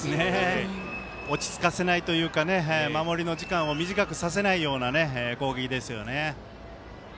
落ち着かせないというか守りの時間を短くさせないような攻撃ですね。